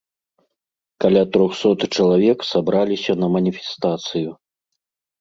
Каля трохсот чалавек сабраліся на маніфестацыю.